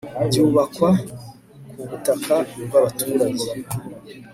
byubakwa ku butaka bw abaturage